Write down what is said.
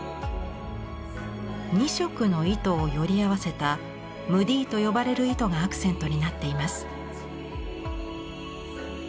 ２色の糸をより合わせたムディーと呼ばれる糸がアクセントになっています。